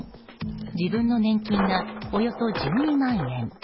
自分の年金がおよそ１２万円。